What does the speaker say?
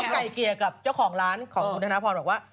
เขาขอไก่เกลี่ยกับเจ้าของร้านของทนพบอกว่า